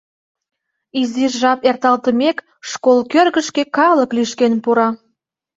Изиш жап эрталтымек, школ кӧргышкӧ калык лӱшкен пура.